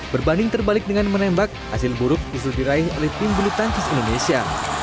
berbanding terbalik dengan menembak hasil buruk justru diraih oleh tim bulu tangkis indonesia